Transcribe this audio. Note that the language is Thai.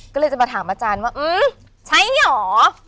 ก็เลยจะมาถามอาจารย์ว่าอื้อใช่เหรอ